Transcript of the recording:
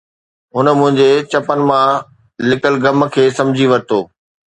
هن منهنجي چپن مان لڪل غم کي سمجهي ورتو